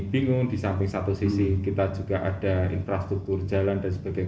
bingung di samping satu sisi kita juga ada infrastruktur jalan dan sebagainya